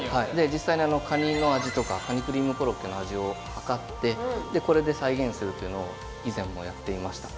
実際にカニの味とかカニクリームコロッケの味をはかってでこれで再現するというのを以前もやっていました。